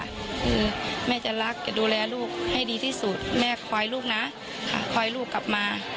คือแม่จะรักจะดูแลลูกให้ดีที่สุดแม่คอยลูกนะค่ะคอยลูกกลับมา